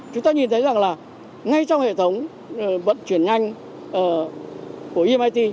chúng ta nhìn thấy rằng là ngay trong hệ thống vận chuyển nhanh của imit